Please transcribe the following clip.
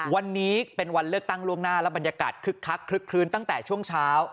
วันนี้เป็นวันเลือกตั้งล่วงหน้าและบรรยากาศคึกคักคลึกคลื้นตั้งแต่ช่วงเช้า